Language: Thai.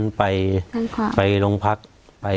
อุ้มิทัศน์มันก็มองรถนี่